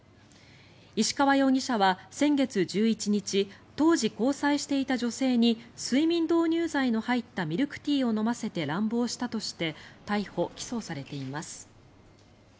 石川容疑者は、先月１１日当時交際していた女性に睡眠導入剤の入ったミルクティーを飲ませて乱暴したとして逮捕・起訴されています。